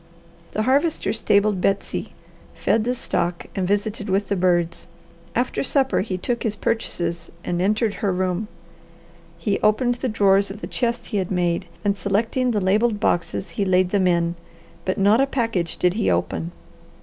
The Harvester stabled Betsy, fed the stock, and visited with the birds. After supper he took his purchases and entered her room. He opened the drawers of the chest he had made, and selecting the labelled boxes he laid them in. But not a package did he open.